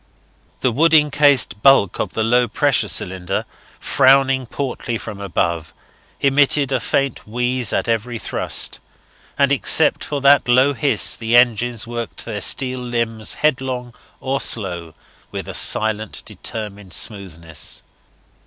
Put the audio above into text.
The wood encased bulk of the low pressure cylinder, frowning portly from above, emitted a faint wheeze at every thrust, and except for that low hiss the engines worked their steel limbs headlong or slow with a silent, determined smoothness.